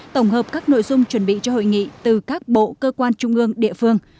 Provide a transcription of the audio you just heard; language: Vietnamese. tổng hợp các nội dung chuẩn bị cho hội nghị từ các bộ cơ quan trung ương địa phương